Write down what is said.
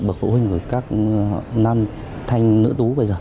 để mỗi người có thể tìm hiểu